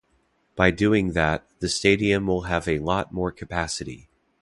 By doing that, the stadium will have a lot more capacity.